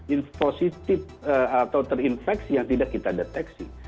in positif atau terinfeksi yang tidak kita deteksi